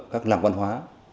các làng văn hóa